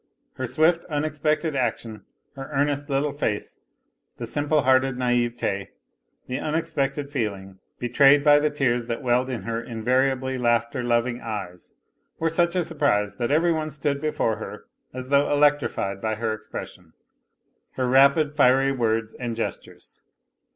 Her swift, unexpected action, her earnest little face, the simple hearted naivete, the unexpected feeling betrayed by the tears that welled in her invariably laughter loving eyes, were such a surprise that every one stood before her as though electrified by her expression, her rapid, fiery words and gestures.